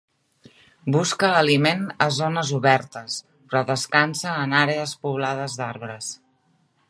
Busca aliment a zones obertes, però descansa en àrees poblades d'arbres.